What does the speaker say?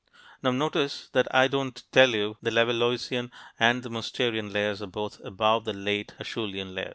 Now notice that I don't tell you the Levalloisian and the "Mousterian" layers are both above the late Acheulean layers.